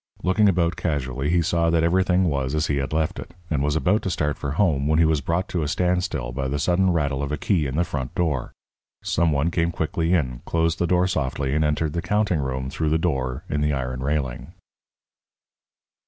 Looking about casually, he saw that everything was as he had left it, and was about to start for home when he was brought to a standstill by the sudden rattle of a key in the front door. Some one came quickly in, closed the door softly, and entered the counting room through the door in the iron railing.